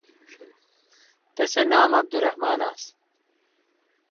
تسے°نام عبدالرحمان آس